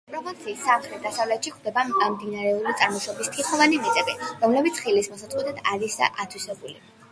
პროვინციის სამხრეთ-დასავლეთით გვხვდება მდინარეული წარმოშობის თიხოვანი მიწები, რომელიც ხილის მოსაყვანად არის ათვისებული.